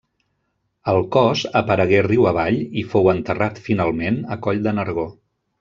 El cos aparegué riu avall i fou enterrat finalment a Coll de Nargó.